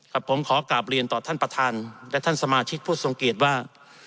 ผมขอกลับเรียนต่อท่านประธานและท่านสมาชิกผู้ทรงเกียจว่า